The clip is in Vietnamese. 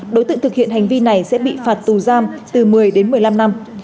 đối tượng thực hiện hành vi này sẽ bị phạt tù giam từ một mươi đến một mươi năm năm